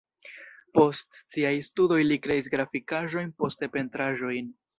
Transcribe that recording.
Post siaj studoj li kreis grafikaĵojn, poste pentraĵojn.